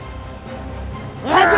kau harus mengajak dia